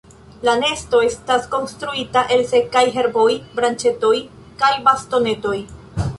La nesto estas konstruita el sekaj herboj, branĉetoj kaj bastonetoj.